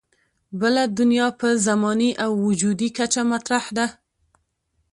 بله دنیا په زماني او وجودي کچه مطرح ده.